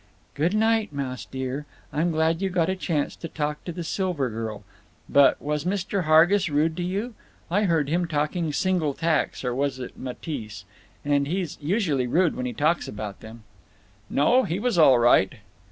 "Good night, Mouse dear. I'm glad you got a chance to talk to the Silver Girl. But was Mr. Hargis rude to you? I heard him talking Single Tax—or was it Matisse?—and he's usually rude when he talks about them." "No. He was all right."